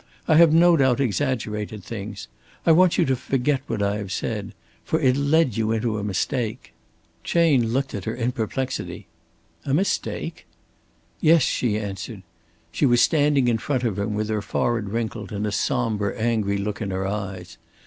I have no doubt exaggerated things. I want you to forget what I have said. For it led you into a mistake." Chayne looked at her in perplexity. "A mistake?" "Yes," she answered. She was standing in front of him with her forehead wrinkled and a somber, angry look in her eyes.